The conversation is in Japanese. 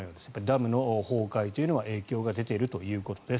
ダムの崩壊というのは影響が出ているということです。